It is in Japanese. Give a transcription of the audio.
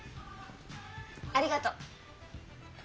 ありがとう。